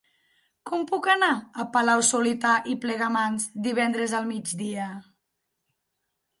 Com puc anar a Palau-solità i Plegamans divendres al migdia?